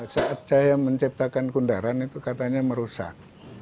saat saya menciptakan kundaran itu katanya merusak